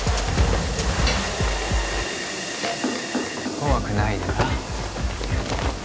怖くないでな